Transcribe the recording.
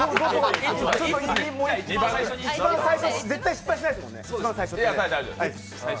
一番最初、絶対失敗しないですもんね。